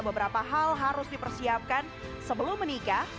beberapa hal harus dipersiapkan sebelum menikah